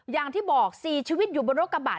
อย่างที่บอก๔ชีวิตอยู่บนรถกระบะ